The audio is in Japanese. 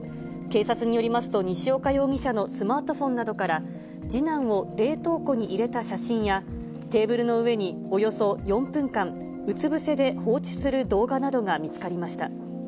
警察によりますと西岡容疑者のスマートフォンなどから、次男を冷凍庫に入れた写真や、テーブルの上におよそ４分間、うつ伏せで放置する動画などが見つかりました。